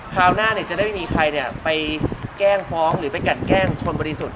คราวหน้าจะได้ไม่มีใครไปแกล้งฟ้องหรือไปกันแกล้งคนบริสุทธิ์